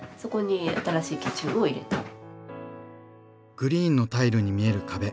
グリーンのタイルに見える壁。